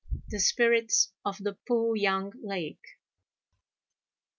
THE SPIRITS OF THE PO YANG LAKE.